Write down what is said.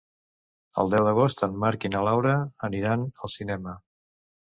El deu d'agost en Marc i na Laura aniran al cinema.